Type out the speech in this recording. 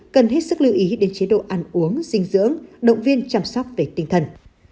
cần hết sức lưu ý đến chế độ ăn uống dinh dưỡng động viên chăm sóc về tinh thần